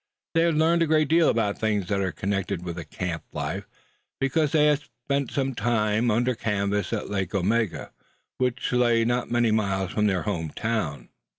They had learned a great deal about the things that are connected with a camp life, because they had spent some time under canvas on Lake Omega, which lay not many miles from their home town.